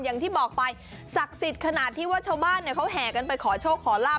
อย่างที่บอกไปศักดิ์สิทธิ์ขนาดที่ว่าชาวบ้านเขาแห่กันไปขอโชคขอลาบ